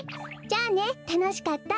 じゃあねたのしかった！